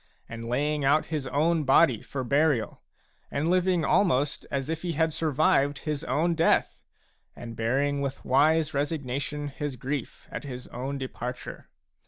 214 Digitized by EPISTLE XXX burial, and living almost as if he had survived his own death, and bearing with wise resignation his grief at his own departure.